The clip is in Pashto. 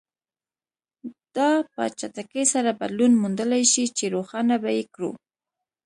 دا په چټکۍ سره بدلون موندلای شي چې روښانه به یې کړو.